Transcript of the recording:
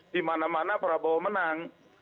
dimana mana prabowo menang